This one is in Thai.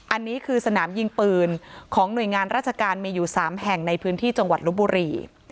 อันนี้คือสนามยิงปืนของหน่วยงานราชการมีอยู่๓แห่งในพื้นที่จังหวัดลบบุรี